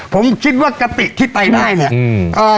ผมคิดว่ากติที่ไปได้เนี่ย